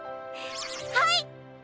はい！